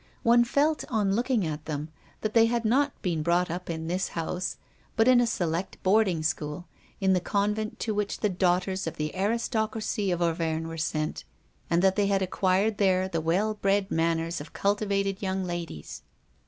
One felt, on looking at them, that they had not been brought up in this house, but in a select boarding school, in the convent to which the daughters of the aristocracy of Auvergne are sent, and that they had acquired there the well bred manners of cultivated young ladies.